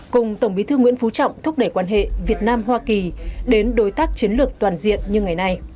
cùng tổng bí thư nguyễn phú trọng thúc đẩy quan hệ việt nam hoa kỳ đến đối tác chiến lược toàn diện như ngày nay